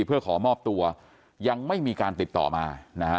เพื่อขอมอบตัวยังไม่มีการติดต่อมานะฮะ